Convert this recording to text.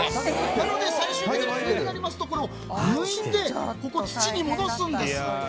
なので、最終的に冬になりますと、抜いて土に戻すんです。